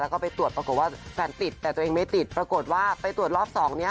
แล้วก็ไปตรวจปรากฏว่าแฟนติดแต่ตัวเองไม่ติดปรากฏว่าไปตรวจรอบสองเนี่ย